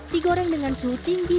digoreng dengan suhu tinggi